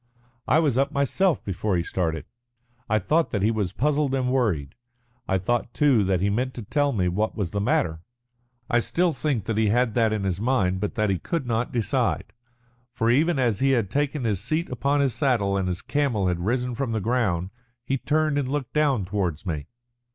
I was up myself before he started. I thought that he was puzzled and worried. I thought, too, that he meant to tell me what was the matter. I still think that he had that in his mind, but that he could not decide. For even after he had taken his seat upon his saddle and his camel had risen from the ground, he turned and looked down towards me.